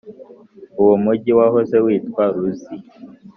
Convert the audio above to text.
(uwo mugi wahoze witwa Luzi).